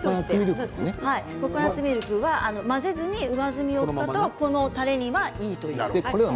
ココナツミルクは混ぜずに上澄みを使うとこのたれにはいいということですね。